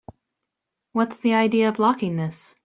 What's the idea of locking this?